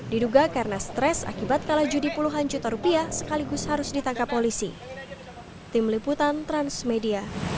diduga karena stres akibat kalah judi puluhan juta rupiah sekaligus harus ditangkap polisi